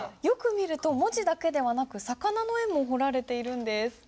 よく見ると文字だけではなく魚の絵も彫られているんです。